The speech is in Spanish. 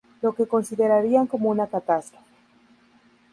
Lo que considerarían como una catástrofe.